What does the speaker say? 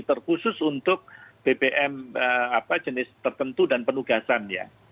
terkhusus untuk bbm jenis tertentu dan penugasan ya